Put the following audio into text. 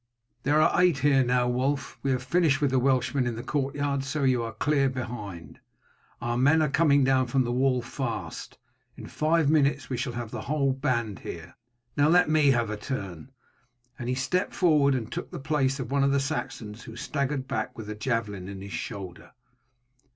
"There are eight here now, Wulf; we have finished with the Welshmen in the courtyard, so you are clear behind. Our men are coming down from the wall fast. In five minutes we shall have the whole band here. Now let me have a turn;" and he stepped forward and took the place of one of the Saxons who staggered back with a javelin in his shoulder.